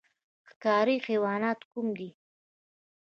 ښکاري حیوانات کوم دي؟